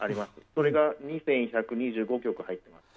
これが２１２５曲入ってます。